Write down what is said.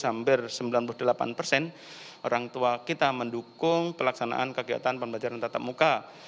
hampir sembilan puluh delapan persen orang tua kita mendukung pelaksanaan kegiatan pembelajaran tatap muka